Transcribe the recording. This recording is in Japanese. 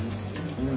うん。